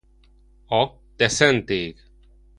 A Te szent ég!